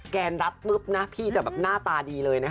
แกนรัดปุ๊บนะพี่จะแบบหน้าตาดีเลยนะคะ